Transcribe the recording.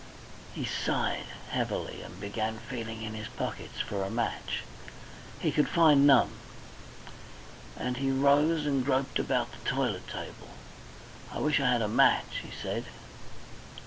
He sighed heavily, and began feeling in his pockets for a match. He could find none, and he rose and groped about the toilet table. "I wish I had a match," he said.